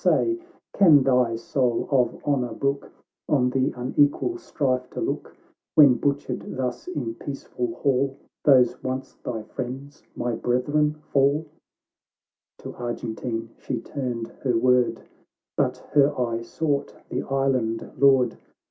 Say, can thy soul of honour brook On the unequal strife to look, Wrhen butchered thus in peaceful hall, Those once thy friends, my brethren, fall I"— To Argentine she turned her word, But her eye sought the Island Lord.